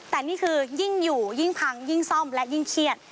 แต่นี่คือยิ่งอยู่ยิ่งพังยิ่งซ่อมและยิ่งเครียด